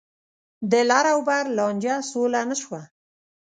د لر او بر لانجه سوله نه شوه.